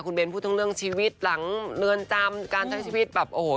เบ้นพูดทั้งเรื่องชีวิตหลังเรือนจำการใช้ชีวิตแบบโอ้โห